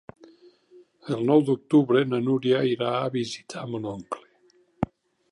El nou d'octubre na Núria irà a visitar mon oncle.